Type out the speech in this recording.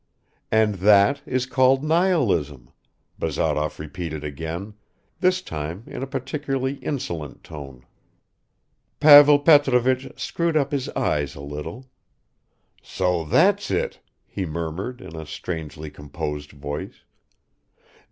"And that is called nihilism," Bazarov repeated again, this time in a particularly insolent tone. Pavel Petrovich screwed up his eyes a little. "So that's it," he murmured in a strangely composed voice.